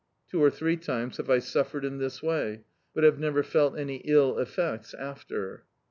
Two or three times have I suffered in this way, but have never felt any ill effects after.